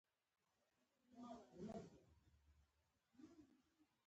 روزګان يو ډير ښکلی ولايت دی